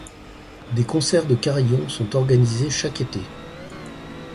Des concerts de carillon sont organisés chaque été.